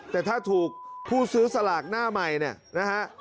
แต่ถ้าถูกผู้ซื้อสลากหน้าใหม่เนี่ยนะฮะ